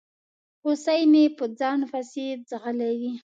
هوسۍ مې په ځان پسي ځغلوي